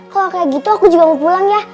kalau kayak gitu aku juga mau pulang ya